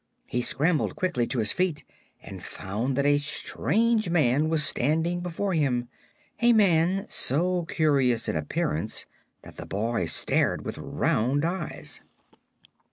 He scrambled quickly to his feet and found that a strange man was standing before him a man so curious in appearance that the boy stared with round eyes.